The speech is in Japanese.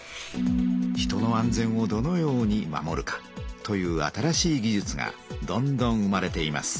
「人の安全をどのように守るか」という新しい技術がどんどん生まれています。